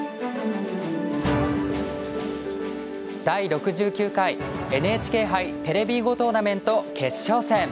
「第６９回ＮＨＫ杯テレビ囲碁トーナメント」決勝戦。